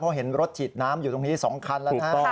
เพราะเห็นรถฉีดน้ำอยู่ตรงนี้๒คันแล้วนะฮะ